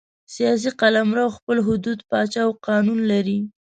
سیاسي قلمرو خپل حدود، پاچا او قانون لري.